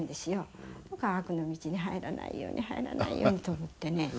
「“悪の道に入らないように入らないように”と思ってね